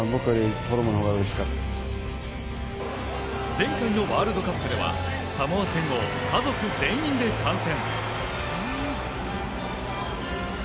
前回のワールドカップではサモア戦を家族全員で観戦。